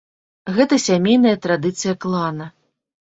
Гэта сямейная традыцыя клана.